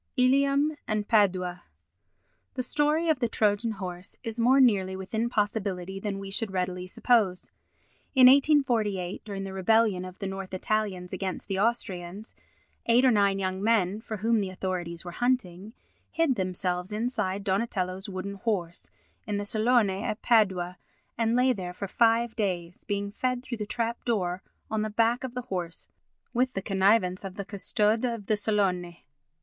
Ilium and Padua The story of the Trojan horse is more nearly within possibility than we should readily suppose. In 1848, during the rebellion of the North Italians against the Austrians, eight or nine young men, for whom the authorities were hunting, hid themselves inside Donatello's wooden horse in the Salone at Padua and lay there for five days, being fed through the trap door on the back of the horse with the connivance of the custode of the Salone.